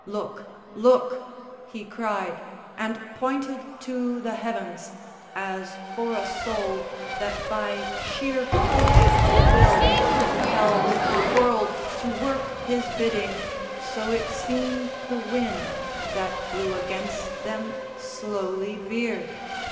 Look! look!" he cried, And pointed to the heavens. As for a soul That by sheer force of will compels the world To work his bidding, so it seemed the wind That blew against them slowly veered.